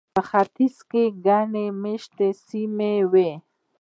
په ختیځ کې ګڼ مېشته سیمه وه.